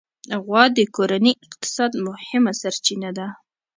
غوا د کورني اقتصاد مهمه سرچینه ده.